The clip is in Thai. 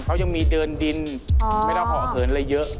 เขายังมีเดินดินไม่ต้องห่อเขินอะไรเยอะ